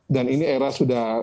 dan ini era sudah